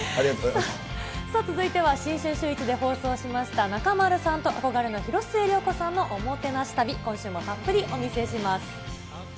続いては新春シューイチで放送しました、中丸さんと憧れの広末涼子さんのおもてなし旅、今週もたっぷりお届けます。